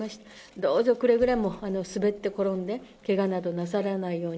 どうぞくれぐれも滑って転んで、けがなどなさらないように。